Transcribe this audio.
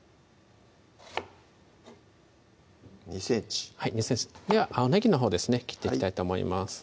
２ｃｍ２ｃｍでは青ねぎのほうですね切っていきたいと思います